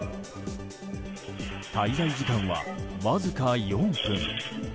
滞在時間はわずか４分。